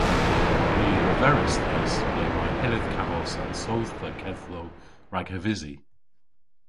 Ni a leveris dhis le may hyllydh kavos an sodhva kedhlow rag havysi.